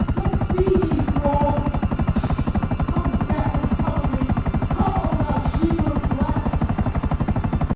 Let be, ye thralls! Come, Death, and cover me: Come, O thou Healer blest!